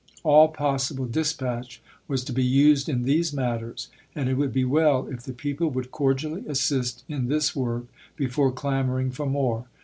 All possible dispatch was to be used in these matters, and it would be well if the people would cordially assist in this work before clamoring for more.